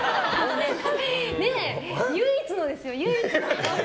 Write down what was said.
唯一のですよ。